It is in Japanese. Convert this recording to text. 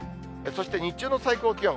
そして日中の最高気温。